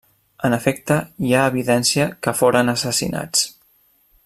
En efecte, hi ha evidència que foren assassinats.